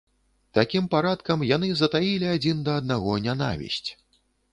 Такім парадкам яны затаілі адзін да аднаго нянавісць.